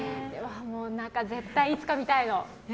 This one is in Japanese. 絶対いつか見たいの。